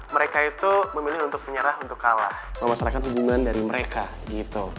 mereka itu memilih untuk menyerah untuk kalah memasrahkan hubungan dari mereka gitu